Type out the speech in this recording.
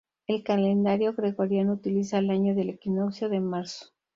El calendario gregoriano utiliza el año del equinoccio de marzo.